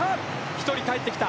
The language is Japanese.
１人帰ってきた。